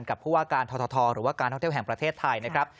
กับผู้ว่าการททหรือว่าการท่องเที่ยวแห่งประเทศไทยนะครับ